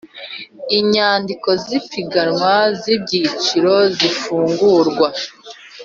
Inyandiko z ipiganwa z ibiciro zifungurwa